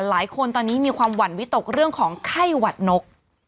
หลายคนตอนนี้มีความหวั่นวิตกเรื่องของไข้หวัดนก